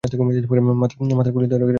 মাথার খুলি উড়িয়ে দেওয়ার আগেই জবাব দে।